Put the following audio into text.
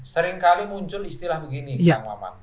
seringkali muncul istilah begini kang maman